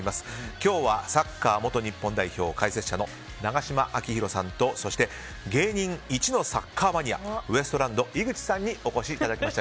今日はサッカー元日本代表解説者の永島昭浩さんと芸人一のサッカーマニアウエストランド井口さんにお越しいただきました。